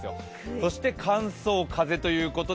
そして乾燥、風ということで、